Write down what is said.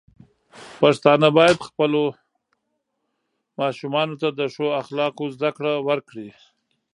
پښتانه بايد خپلو ماشومانو ته د ښو اخلاقو زده کړه ورکړي.